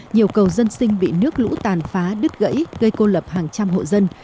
nhiều cầu dân sinh bị nước lũ tàn phá đứt gãy gây cô lập hàng trăm hộ dân